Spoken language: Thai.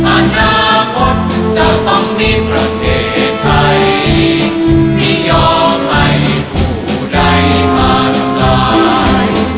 อาจารย์คนจะต้องมีประเทศไทยไม่ยอมให้ผู้ใดผ่านลาย